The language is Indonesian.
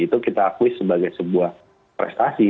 itu kita akui sebagai sebuah prestasi